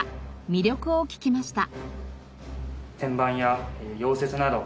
魅力を聞きました。